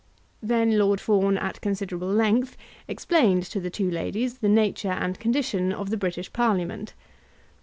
Then Lord Fawn, at considerable length, explained to the two ladies the nature and condition of the British Parliament.